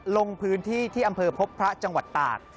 ลงพื้นที่ที่อำเภอพบพระจังหวัดตาก